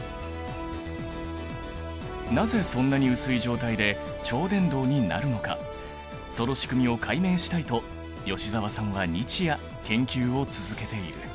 なぜそんなに薄い状態で超伝導になるのかその仕組みを解明したいと吉澤さんは日夜研究を続けている。